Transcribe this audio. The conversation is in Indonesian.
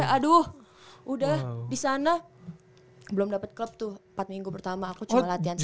aduh udah di sana belum dapat klub tuh empat minggu pertama aku cuma latihan